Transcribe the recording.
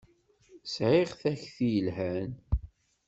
Sɛiɣ takti yelhan.